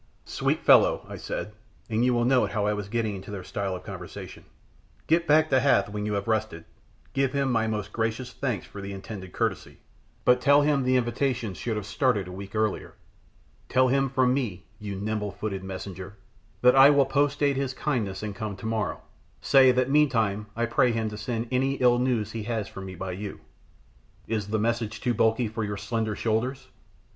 "Sweet fellow," I said, and you will note how I was getting into their style of conversation, "get back to Hath when you have rested, give him my most gracious thanks for the intended courtesy, but tell him the invitation should have started a week earlier; tell him from me, you nimble footed messenger, that I will post date his kindness and come tomorrow; say that meanwhile I pray him to send any ill news he has for me by you. Is the message too bulky for your slender shoulders?"